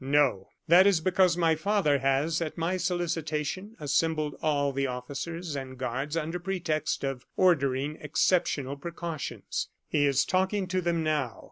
No. That is because my father has, at my solicitation, assembled all the officers and guards under pretext of ordering exceptional precautions. He is talking to them now.